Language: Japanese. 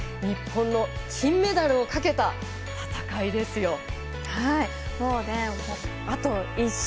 日本の金メダルをかけた戦いですよ。